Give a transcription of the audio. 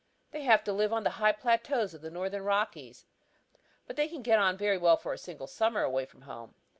They have to live on the high plateaus of the northern Rockies, but they can get on very well for a single summer away from home.